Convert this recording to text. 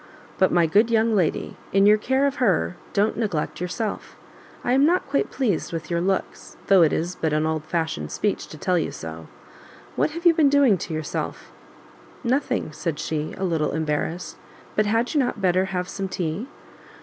But, my good young lady, in your care of her, don't neglect yourself; I am not quite pleased with your looks, though it is but an old fashioned speech to tell you so. What have you been doing to yourself?" "Nothing;" said she, a little embarrassed; "but had you not better have some tea?"